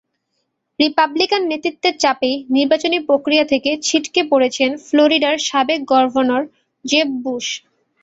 Republican নেতৃত্বের চাপেই নির্বাচনী প্রক্রিয়া থেকে ছিটকে পড়েছেন ফ্লোরিডার সাবেক গভর্নর জেব বুশ।